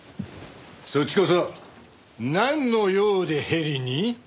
そっちこそなんの用でヘリに？